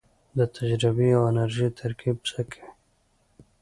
د تجربې او انرژۍ ترکیب څه کوي؟